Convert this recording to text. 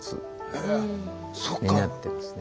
そっか。になってますね。